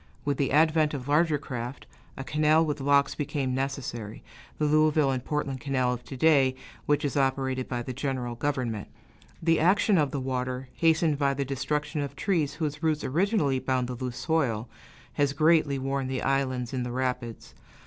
With the advent of larger craft, a canal with locks became necessary the Louisville and Portland Canal of to day, which is operated by the general government. The action of the water, hastened by the destruction of trees whose roots originally bound the loose soil, has greatly worn the islands in the rapids.